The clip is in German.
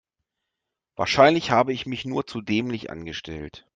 Wahrscheinlich habe ich mich nur zu dämlich angestellt.